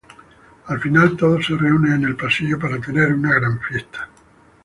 Al final, todos se reúnen en el pasillo para tener una gran fiesta.